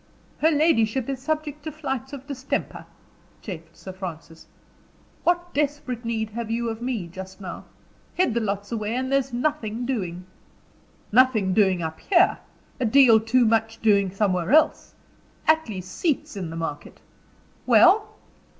"Her ladyship is subject to flights of distemper," chafed Sir Francis. "What desperate need have you of me, just now? Headthelot's away and there's nothing doing." "Nothing doing up here; a deal too much doing somewhere else. Attley's seat's in the market." "Well?"